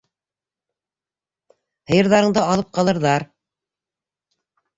Һыйырҙарыңды алып ҡалырҙар...